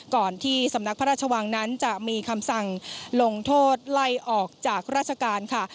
ก่อนที่สำนักพระราชวังนั้นจะมีคำสั่งลงโทษไล่ออกจากราชการค่ะ